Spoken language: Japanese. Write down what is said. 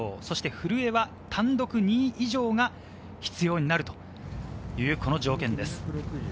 古江は単独２位以上が必要になるというこの条件です。